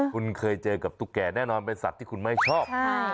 คุณเคยเจอกับตุ๊กแก่แน่นอนเป็นสัตว์ที่คุณไม่ชอบ